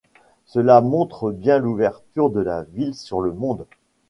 Cela montre bien l’ouverture de la ville sur le monde.